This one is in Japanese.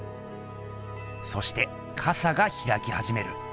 そしてかさがひらきはじめる。